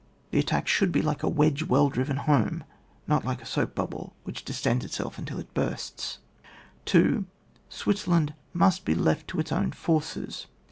The attack should be like a wedge well driven home, not like a soap bubblei which distends itself till it bursts. 2. Switzerland must be left to its own forces.